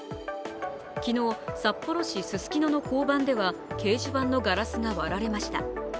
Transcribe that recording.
昨日、札幌市ススキノの交番では掲示板のガラスが割られました。